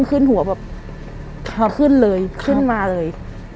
ขึ้นเลยขึ้นมาเลย